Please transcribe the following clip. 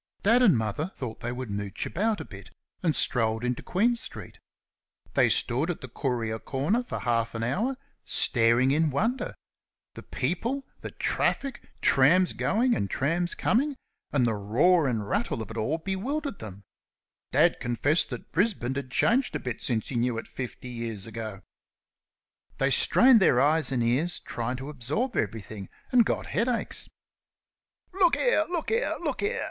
Dad and Mother thought they would "mooch about" a bit, and strolled into Queen street. They stood at the Courier corner for half an hour, staring in wonder. The people, the traffic, trams going and trams coming, and the row and rattle of it all bewildered them. Dad confessed that Brisbane had changed a bit since he knew it fifty years ago. They strained their eyes and ears trying to absorb everything, and got headaches. "Look here! look here! look here!